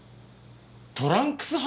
トランクス派？